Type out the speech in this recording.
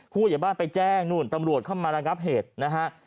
ผู้ใหญ่บ้านไปแจ้งนู่นตำรวจเข้ามาระงับเหตุนะฮะ